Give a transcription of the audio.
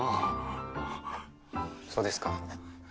そうですか。